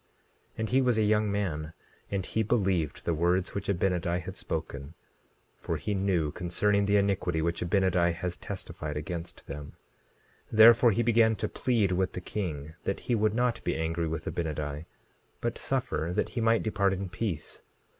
And he was a young man, and he believed the words which Abinadi had spoken, for he knew concerning the iniquity which Abinadi has testified against them; therefore he began to plead with the king that he would not be angry with Abinadi, but suffer that he might depart in peace.